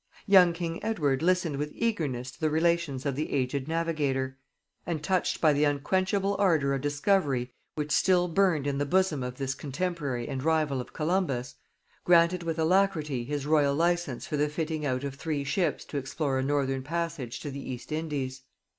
Young king Edward listened with eagerness to the relations of the aged navigator; and touched by the unquenchable ardor of discovery which still burned in the bosom of this contemporary and rival of Columbus, granted with alacrity his royal license for the fitting out of three ships to explore a north passage to the East Indies.